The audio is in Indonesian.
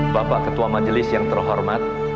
bapak ketua majelis yang terhormat